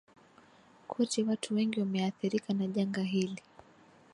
kote watu wengi wameathirika na janga hili